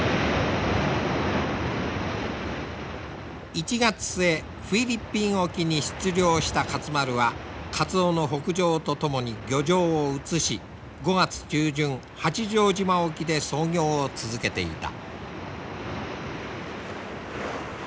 １月末フィリピン沖に出漁した勝丸はカツオの北上とともに漁場を移し５月中旬八丈島沖で操業を続けていた。